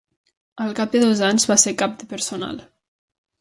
Al cap de dos anys, va ser cap de personal.